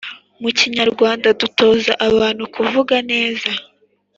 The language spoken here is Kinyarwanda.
mu kinyarwanda dutoza abantu kuvuga neza